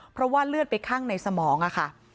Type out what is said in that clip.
เพราะว่าเลือดไปข้างในสมองค่ะ